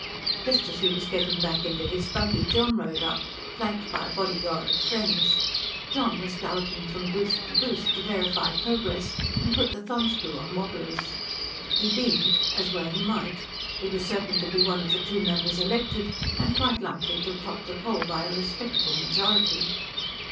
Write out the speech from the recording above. Just as he was getting back into his buggy John rode up, flanked by a bodyguard of friends; John was galloping from booth to booth, to verify progress and put the thumbscrew on wobblers. He beamed as well he might. He was certain to be one of the two members elected, and quite likely to top the poll by a respectable majority.